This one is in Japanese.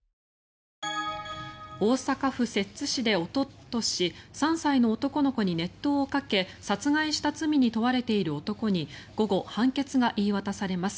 大阪府摂津市でおととし３歳の男の子に熱湯をかけ殺害した罪に問われている男に午後、判決が言い渡されます。